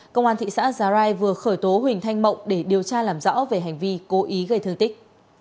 công an thị xã giá rai vừa khởi tố huỳnh thanh mộng để điều tra làm rõ về hành vi cố ý gây thương tích